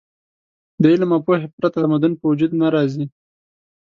د علم او پوهې پرته تمدن په وجود نه راځي.